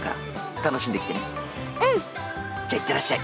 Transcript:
じゃあいってらっしゃい。